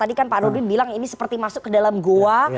tadi kan pak nurdin bilang ini seperti masuk ke dalam goa